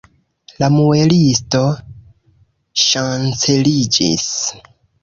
La muelisto ŝanceliĝis.